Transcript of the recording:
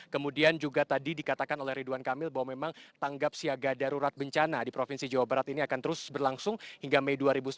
kemudian juga tadi dikatakan oleh ridwan kamil bahwa memang tanggap siaga darurat bencana di provinsi jawa barat ini akan terus berlangsung hingga mei dua ribu sembilan belas